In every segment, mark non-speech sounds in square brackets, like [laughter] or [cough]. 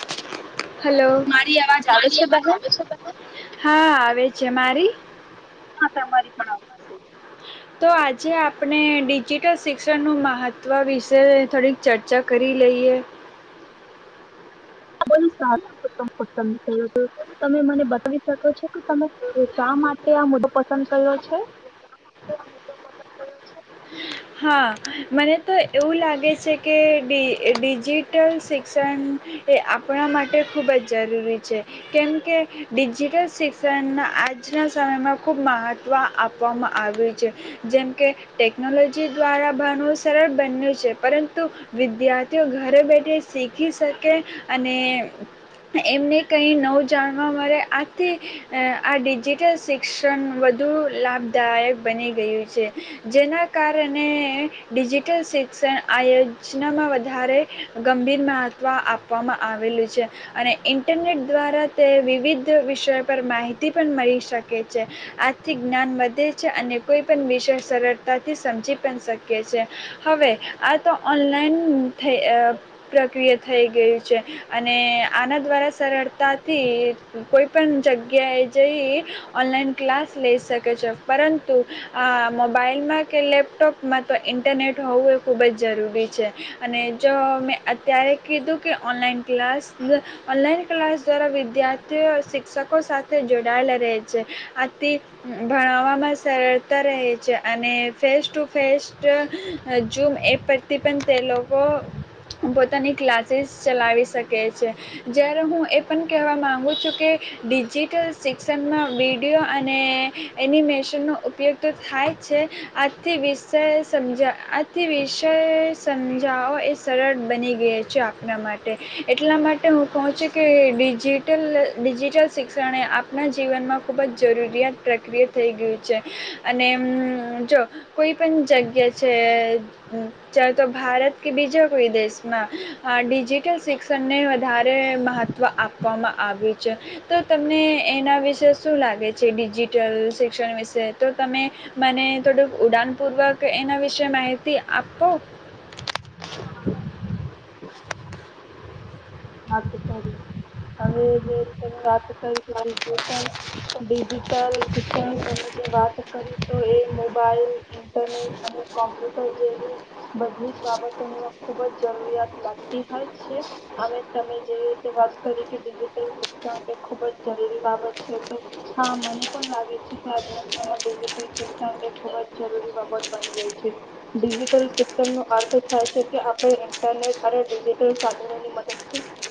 [inaudible] Hello, મારી અવાજ આવે મારી છે આવાજ બહેન? આવે છે તને. હા, આવે છે, મારી? હા તમારી પણ આવતી છે. તો આજે આપણે ડિજિટલ શિક્ષણનું મહત્વ વિશે થોડીક ચર્ચા કરી લઈએ. આ બધું સારું [inaudible] તું, તમે મને બતાવી શકો છો કે તમે શા માટે આ મુદ્દો પસંદ કર્યો છે? હા મને તો એવું લાગે છે કે ડિજિટલ શિક્ષણ એ આપણા માટે ખૂબ જ જરૂરી છે. કેમકે ડિજિટલ શિક્ષણ આજના સમયમાં ખૂબ મહત્ત્વ આપવામાં આવ્યું છે. જેમકે ટેકનોલો જી દ્વારા ભણવું સરળ બન્યું છે. પરંતુ વિદ્યાર્થીઓ ઘરે બેઠી શીખી શકે અને એમને કંઈ નવુ જાણવા મળે આથી આ ડિજિટલ શિક્ષણ વધુ લાભદાયક બની ગયું છે. જેના કારણે ડિજિટલ શિક્ષણ આ યોજનામાં વધારે ગંભીર મહત્ત્વ આપવામાં આવેલું છે અને ઇન્ટરનેટ દ્વારા તે વિવિધ વિષયો પર માહિતી પણ મળી શકે છે. આર્થિક જ્ઞાન વધે છે અને કોઈપણ વિષય સરળતા થી સમજી પણ શકીએ છે. હવે આ તો ઓનલાઈન થઈ પ્રક્રિયા થઈ ગઈ છે અને આના દ્વારા સરળતાથી કોઈ પણ જગ્યાએ જઈ ઓનલાઈન ક્લાસ લઈ શકે છે. પરંતુ આ મોબાઈલમાં કે લેપટોપમાં તો ઇન્ટરનેટ હોવું એ ખૂબ જ જરૂરી છે અને જો મેં અત્યારે કીધું કે ઓનલાઈન ક્લાસ ઓનલાઈન ક્લાસ દ્વારા વિદ્યાર્થીઓ શિક્ષકો સાથે જોડાયેલા રહે છે. આથી ભણવામાં સરળતા રહે છે અને face to face zoom app પરથી પણ તે લોકો પોતાની ક્લાસીસ ચલાવી શકે છે. જ્યારે હું એ પણ કહેવા માગું છું કે ડિજિટલ શિક્ષણમાં વિડીયો અને એનિમેશનનો ઉપયોગ તો થાય છે આથી વિષય સમજા આથી વિષય સમજાવો એ સરળ બની ગયા છે. આપણા માટે એટલા માટે હું કહું છું કે ડિજિટલ ડિજિટલ શિક્ષણે આપણા જીવનમાં ખૂબ જ જરૂરિયાત પ્રક્રિયા થઈ ગયું છે અને જો કોઈ પણ જગ્યા છે ચા તો ભારત કે બીજા કોઈ દેશમાં અ ડિજિટલ શિક્ષણને વધારે મહત્ત્વ આપવામાં આવ્યું છે. તો તમને એના વિશે શું લાગે છે ડિજિટલ શિક્ષણ વિશે? તો તમે મને થોડુંક ઉડાનપૂર્વક એના વિશે માહિતી આપો. [inaudible] હ સારી. વાત કરી કે ડિજિટલ ડિજિટલ શિક્ષણની તમે જે વાત કરી તો એ મોબાઈલ, ઇન્ટરનેટ અને કોમ્પ્યુટર જેવી બધી જ બાબતોની ખુબ જ જરૂરિયાત લાગ હોય છે. આવે તમે જે રીતે વાત કરી કે ડિજિટલ શિક્ષણ એ ખુબ જ જરૂરી બાબત છે. તો હા મને પણ લાગે છે કે આજના સમયમાં ડિજિટલ શિક્ષણ એ ખુબ જ જરૂરી બાબત બની રહી છે. ડિજિટલ શિક્ષણનો અર્થ થાય છે કે આપણે ઇન્ટરનેટ અને ડિજિટલ સાધનોની મદદ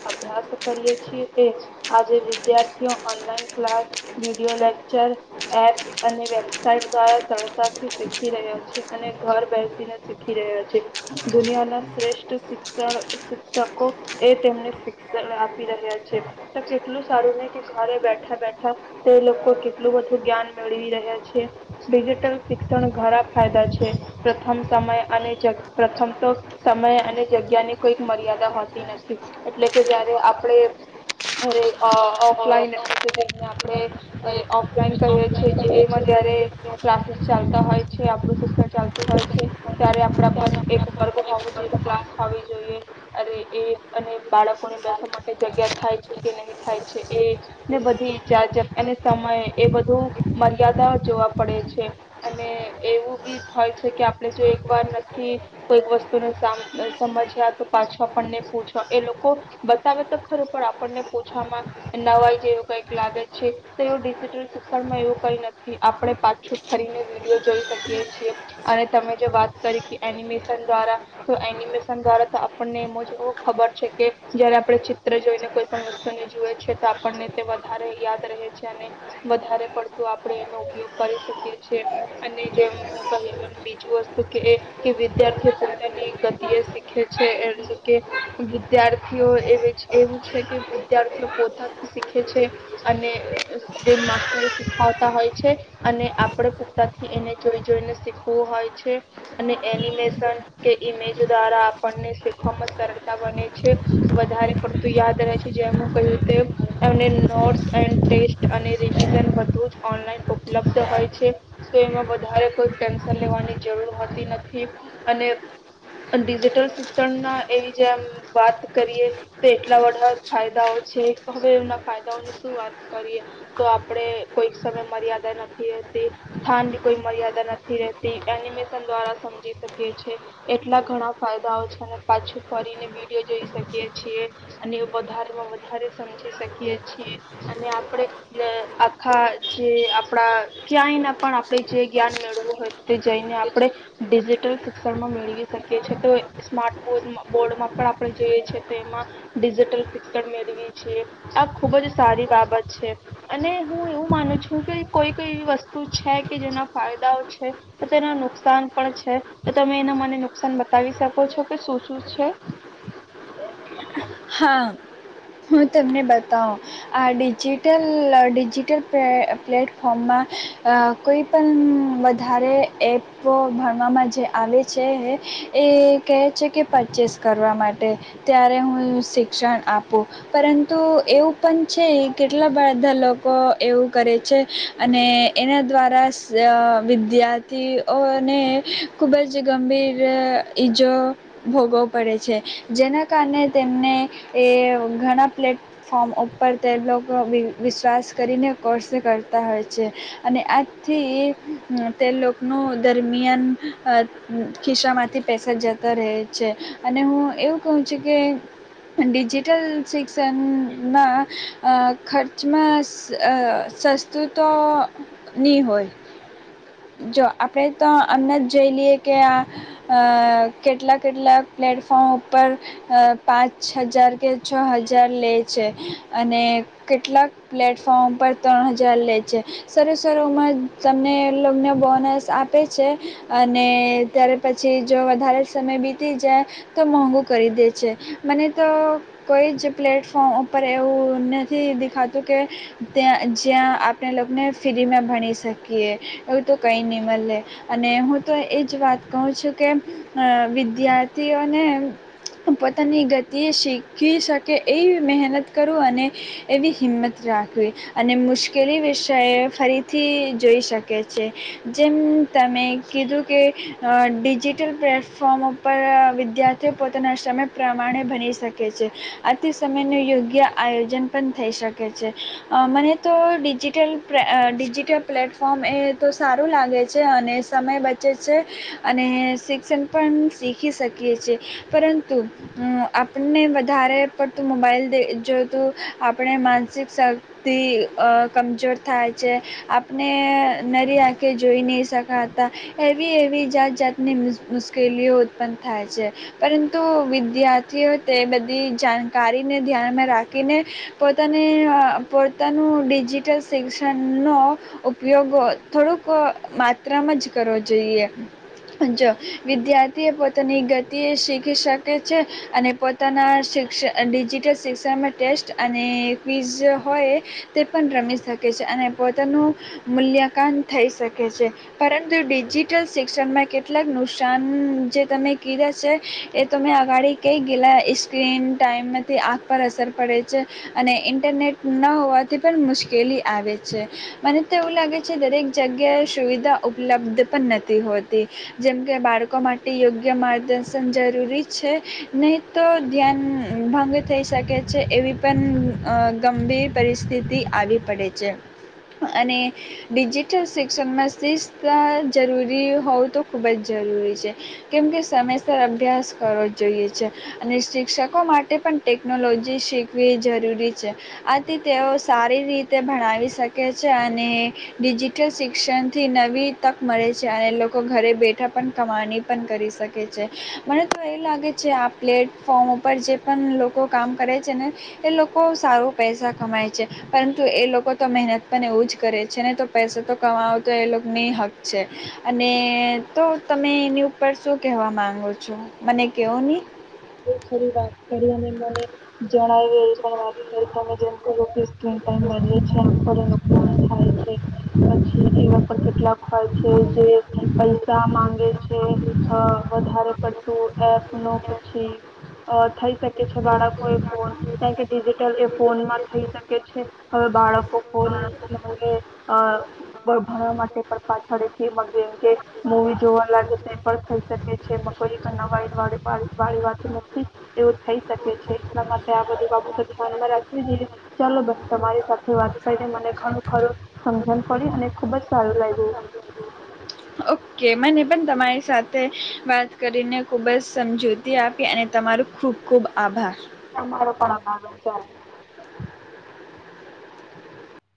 અભ્યાસ કરીએ છીએ એ આજે વિદ્યાર્થીઓ online class, video lecture, app અને વેબસાઇટ દ્વારા સરતાથી શીખી રહ્યા છે અને ઘર બેસીને શીખી રહ્યા છે દુનિયાના શ્રેષ્ઠ શિક્ષણ શિક્ષકો એ તેમને શિક્ષણ આપી રહ્યા છે તો કેટલું સારું છે કે ઘરે બેઠા બેઠા તે લોકો કેટલું બધુ જ્ઞાન મેળવી રહ્યા છે. ડિજિટલ શિક્ષણ ઘણા ફાયદા છે. પ્રથમ સમય અને પ્રથમ તો સમય અને જગ્યા ની કોઈક મર્યાદા હોતી નથ એટલે કે જારે આપણે અરે ઓફલાઈન એટલે કે જેને આપણે અરે ઓફલાઈન કહીએ છેએ કે એમાં જયારે ક્લાસીસ ચાલતા હોય છે આપણું શિક્ષણ ચાલતું હોય છે ત્યારે આપણા પર એક વર્ગ હોવો જોઈએ ક્લાસ હો જોઈએ અ એ. અને બાળકોને બેસવા માટે જગ્યા થાય છે કે નહી થાય છે એને બધી ઈજજ અને સમય એ બધું મર્યાદા જોવા પડે છે અને એવું બી થાય છે કે આપણે જો એક વાર નથી કોઈક વસ્તુને સમજ્યા તો પાછો આપણને. છો. એ લોકો બતાવે તો ખરું પણ આપણને પૂછવામાં નવાય જેવું કઈક લાગે છે તો એવ ડિજિટલ શિક્ષણમાં એવું કઈ નથી આપણે પાછું ફરીને વિડીયો જોઈ શકીએ છીએ અને તમે જો વાત કરી કે એનિમેશન દ્વારા તો એનિમેશન દ્વારા તો આપણને એમ જ ખબર છે કે જયારે આપણે ચિત્ર જોઈને કોઈ પણ વસ્તુને જુએ છે તો આપણને તે વધારે યાદ રહે છે અને વધારે પડતું આપણે એનો ઉપયોગ કરી શકીએ છેએ અને જેમ હું કહ બીજું વસ્તુ કે એ વિદ્યાર્થી પોતાની ગતિ એ શીખે છે એટલે કે. વિદ્યાર્થીઓ એ એવું છે કે વિદ્યાર્થીઓ પોતાથી શીખે છે અને માસ્ટરો શીખતા હોય છે અને આપડે પોતાથી એને જોઈ જોઈને શીખવું હોય છે અને એનિમેશન કે ઇમેજ દ્વારા આપણને શીખવામાં સર બને છે. વધારે પડતું યાદ રહે છે જેમ કહ્યું તેમ એમને નોટ્સ એન્ડ ટેસ્ટ અને રીવીઝન બધું જ ઓનલાઈન ઉપલબ્ધ હોય છે એ વધારે કોઈ ટેન્શન લેવાની જરૂર હોતી નથી અને ડિજિટલ શિક્ષણના એ જેમ વાત કરીએ તો એટલા બધા ફાયદાઓ છે હવે એના ફાયદાઓની શું વાત કરીએ. તો આપડે કોઈ સમય મર્યાદા નથી રહેતી, સ્થાનની કોઈ મર્યાદા નથી રેતી, એનિમેશન દ્વારા સમજી શકીએ છેએ એટલા ઘણા ફાયદાઓ છે પાછું કરીને વિડીયો જોઈ શકીએ છીએ અને વધારેમાં વધારે સમજી શકીએ છીએ અને આપણે આખા જે આપણા ક્યાંય ના પણ આપણે જે જ્ઞાન મેળવું હોય તે જઈને આપણે ડિજિટલ શિક્ષણમાં મેળવી શકીએ છીએ. તો સ્માર્ટ બોર્ બોર્ડમાં પણ આપણે જોઈએ છે તો એમાં ડિજિટલ શિક્ષણ મેળવી છીએ. આ ખુબ જ સારી બાબત છે અને હું એવું માનું છું કે કોઈ કઈ એવી વસ્તુ છે કે જેના ફાયદાઓ છે તો તેના નુકસાન પણ છે, તો તમે એના મને નુકસાન બતાવી શકો છો કે શ શું છે? હા હું તમને બતાવું. આ ડિજિટલ ડિજિટલ પે પ્લેટફોર્મમાં કોઈ પણ વધારે એપો ભણવામાં જે આવે છે એ કહે છે કે પરચેસ કરવા માટે ત્યારે હું શિક્ષણ આપવું પરંતુ એવું પણ છે, કેટલા બધા લોકો એવું કરે છે અને એના દ્વારા સ વિદ્યાર્થીઓને ખૂબ જ ગંભીર ઈજો ભોગવવો પડે છે. જેના કારણે તેમને એ ઘણા પ્લેટફોર્મ ઉપર તે લોકો વિ વિશ્વાસ કરીને કોર્સે કરતા હોય છે, અને આજથી તે લોકનું દરમિયાન ખિસ્સામાંથી પેસા જતા રહે છે, અને હું એવું કહું છું કે ડિજિટલ શિક્ષણમાં ખર્ચમાં સસ્તુ તોની હોય. જો આપણે તો અમને જ જોઈ લઈએ કે આ અહ કેટલા-કેટલા પ્લેટફોર્મ ઉપર પાંચ, છ હજાર કે છ હજાર લે છે, અને કેટલાક પ્લેટફોર્મ ઉપર ત્રણ હજાર લે છે, શરૂ-શરૂમાં તમને ઈ લોગ ને બોનસ આપે છે અને ત્યારે પછી જો વધારે સમય બીતી જાય તો મોંઘું કરી દે છે. મને તો કોઈ જ પ્લેટફોર્મ ઉપર એવું નથી દેખાતું કે ત્યાં જ્યાં આપણે લોકને ફ્રીમાં ભણી શકીએ. એવું તો કંઈ નહીં મલે, અને હું તો એ જ વાત કહું છું કે અહ વિદ્યાર્થીઓને પોતાની ગતિએ શીખી શકે એવી મહેનત કરું અને એવી હિંમત રાખવી, અને મુશ્કેલી વિષય ફરીથી જોઈ શક કે છે જેમ તમે કીધું કે ડિજિટલ અહ પ્લેટફોર્મ ઉપર વિદ્યાર્થીઓ પોતાના સમય પ્રમાણે ભની શકે છે. આથી સમયનું યોગ્ય આયોજન પણ થઈ શકે છે. અહ મને તો ડિજિટલ પ્રે અહ ડિજિટલ પ્લેટફોર્મ એ તો સારું લાગે છે અને સમય બચે છે અને શિક્ષણ પણ શીખી શકીએ છીએ પરંતુ આપણને વધારે પડતું મોબાઈલે જોતું આપણે માનસિક શક્તિ કમજોર થાય છે આપણે. નરી આંખે જોઈ નહીં શકાતા, એવી-એવી, જાત-જાતની મુશ્કેલીઓ ઉત્પન્ન થાય છે, પરંતુ વિદ્યાર્થીઓ તે બધી જાણકારીને ધ્યાનમાં રાખીને પોતાને અહ પોતાનું ડિજિટલ શિક્ષણનો ઉપયોગ થોડુંક માત્રામાં જ કરવો જોઈએ જો વિદ્યાર્થી પોતાની ગતિએ શીખી શકે છે અને પોતાના શિક્ષ ડિજિટલ શિક્ષણમાં ટેસ્ટ અને ક્વીઝ હોય તે પણ રમી શકે છે અને પોતાનું મૂલ્યં. કાન થઈ શકે છે, પરંતુ ડિજિટલ શિક્ષણમાં કેટલાક નુકસાન જે તમે કીધા છે, એ તમે અગાડી કઈ ગયેલા, એ સ્ક્રીન ટાઈમમાંથી આંખ પર અસર પડે છે, અને ઇન્ટરનેટ ન હોવાથી પણ મુશ્કેલી આવે છે. મને તો એવું લાગે છે, દરેક જગ્યાએ સુવિધા ઉપલબ્ધ પણ નથી હોતી, જેમ કે બાળકો માટે યોગ્ય માર્ગદર્શન જરૂરી છે, નહી તો ધ્યાન ભંગ થઈ શકે છે. એવી પણ અહ ગંભીર પરિસ્થિતિ આવી પડે છે. અને ડિજિટલ શિક્ષણમાં શિસ્ત અહ જરૂરી હોવું તો ખૂબ જ જરૂરી છે, કેમકે સમયસર અભ્યાસ કરવો જોઈએ છે, અને શિક્ષકો માટે પણ ટેકનોલોજી શીખવી જરૂરી છે. આથી તેઓ સારી રીતે ભણાવી શકે છે, અને ડિજિટલ શિક્ષણથી નવી તક મળે છે, અને લોકો ઘરે બેઠા પણ કમાણી પણ કરી શકે છે. મને તો એ લાગે છે આ પ્લેટફોર્મ ઉપર જે પણ લોકો કામ કરે છે ને એ લોકો સારો પૈસા કમાય છે, પરંતુ એ લોકો તો મહેનત પણ એવું જ કરે છે ને તો પૈસા તો કમાવો તો એ લોકની હક છે. અને તો તમે એની ઉપર શું કહેવા માગો છો, મને કહો નહીં બ ફરી વાત કરીને. જણાવ્યું એ પણ વાત કરી તમે જેમ. [unintelligible] [unintelligible] ટાઈમ વધે છે. [inaudible] નુકસાન થાય છે, પછી [inaudible] કેટલાક [inaudible] [unintelligible] માંગે છે, અહ વધારે પડતું એપ [unintelligible] પછી આ થઈ શકે છે, બાળકો એ ફોન કારણ કે ડિજિટલ એ ફોનમાં થઈ શકે છે. વાળી વાળી વાતો નથી, એવું થઈ શકે છે, એટલા માટે આ બધી બાબતો ધ્યાનમાં રાખવી જોઈએ, ચાલો બહેને તમારી સાથે વાત કરીને મને ઘણું ખરું સમજણ પડી અને ખુબજ સારું લાગ્યું. ઓકે મને પણ તમારી સાથે વાત કર તમારો પણ [unintelligible] ચાલ.